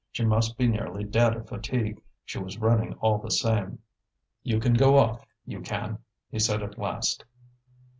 She must be nearly dead of fatigue, she was running all the same. "You can go off, you can," he said at last.